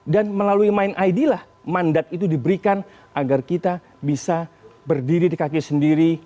dan melalui mind id lah mandat itu diberikan agar kita bisa berdiri di kaki sendiri